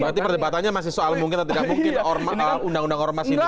berarti perdebatannya masih soal mungkin atau tidak mungkin undang undang ormas ini